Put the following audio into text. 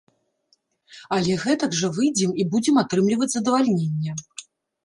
Але гэтак жа выйдзем і будзем атрымліваць задавальненне.